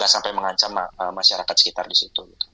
nggak sampai mengancam masyarakat sekitar disitu gitu